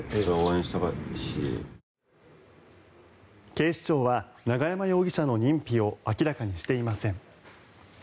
警視庁は永山容疑者の認否を明らかにしていません。